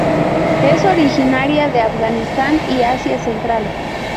Es originaria de Afganistán y Asia central.